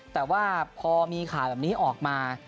แต่ว่าพอมีข่าวแบบนี้ออกมา